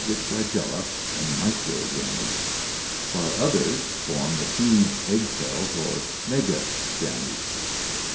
]) with flagelia (microgametes), while others form the huge egg cells or megagametcs.